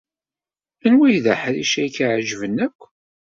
Anwa ay d aḥric ay k-iɛejben akk?